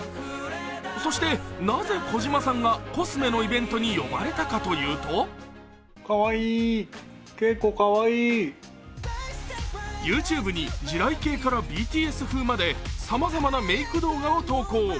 そしてなぜ児嶋さんがコスメのイベントに呼ばれたかというとＹｏｕＴｕｂｅに地雷系からＢＴＳ風まで様々なメイク動画を投稿。